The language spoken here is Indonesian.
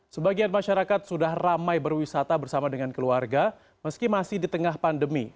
sebagian masyarakat sudah ramai berwisata bersama dengan keluarga meski masih di tengah pandemi